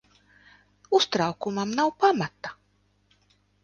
Uztraukumam nav pamata.